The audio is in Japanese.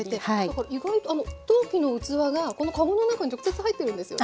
意外とあの陶器の器がこの籠の中に直接入ってるんですよね？